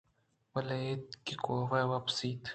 بِلّ اِت کہ کاف وپسیت